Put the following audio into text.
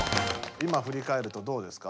今ふりかえるとどうですか？